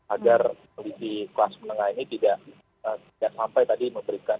agar kondisi kelas menengah ini tidak sampai tadi memberikan